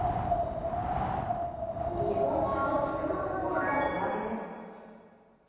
日本酒の菊正宗も値上げです。